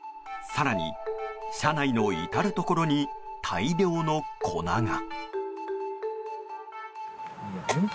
更に、車内の至るところに大量の粉が。